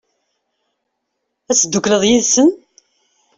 Ad teddukleḍ yid-sen?